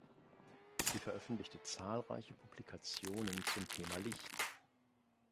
Sie veröffentlichte zahlreiche Publikationen zum Thema Licht.